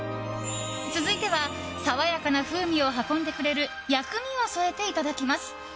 続いては爽やかな風味を運んでくれる薬味を添えていただきます。